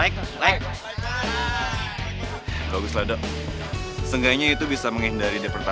kalau menurut gue sih sebenernya ini masalah pribadi ya